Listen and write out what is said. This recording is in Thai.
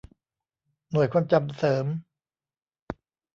หน่วยความจำเสริม